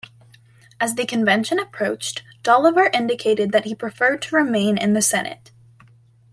As the convention approached Dolliver indicated that he preferred to remain in the Senate.